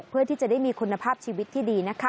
เพื่อที่จะได้มีคุณภาพชีวิตที่ดีนะคะ